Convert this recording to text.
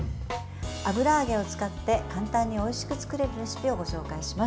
油揚げを使って簡単においしく作れるレシピをご紹介します。